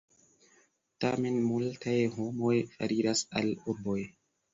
Tamen multaj homoj foriras al urboj.